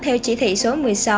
theo chỉ thị số một mươi sáu